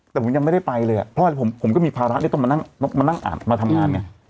แต่ผมยังไม่ได้ไปเลยอ่ะเพราะว่าผมก็มีภาระที่ต้องมานั่งอ่านมาทำงานไง